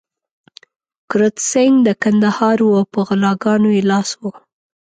کرت سېنګ د کندهار وو او په غلاګانو يې لاس و.